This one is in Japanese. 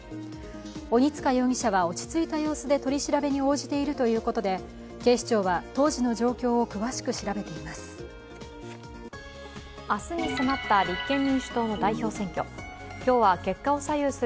鬼束容疑者は落ち着いた様子で取り調べに応じているということで警視庁は当時の状況を詳しく調べています。